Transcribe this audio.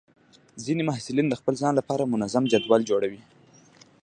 ځینې محصلین د خپل ځان لپاره منظم جدول جوړوي.